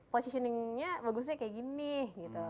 positioningnya bagusnya kayak gini gitu